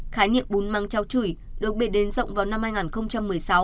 khái niệm bún mắng cháo chửi được biệt đến rộng vào năm hai nghìn một mươi sáu